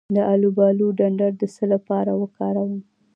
د الوبالو ډنډر د څه لپاره وکاروم؟